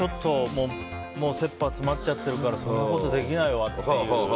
せっぱ詰っちゃってるからそんなことできないわっていう。